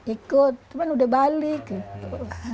ikut cuman udah balik gitu